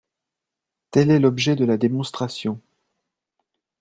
Tel est l’objet de la démonstration.